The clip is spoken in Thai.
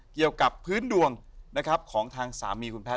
เกี่ยวกับพื้นดวงนะครับของทางสามีคุณแพท